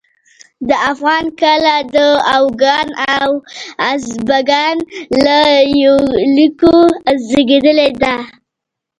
د افغان کله د اوگان او اسپاگان له ويوکو زېږېدلې ده